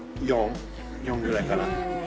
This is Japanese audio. ４ぐらいかな。